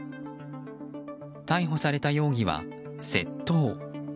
逮捕された容疑は窃盗。